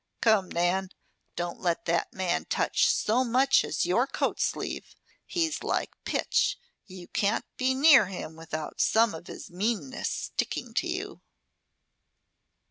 Come, Nan. Don't let that man touch so much as your coat sleeve. He's like pitch. You can't be near him without some of his meanness sticking to you."